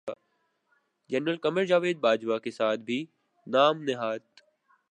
general Qamar Javed Bajwa کے ساتھ بھی نام نہاد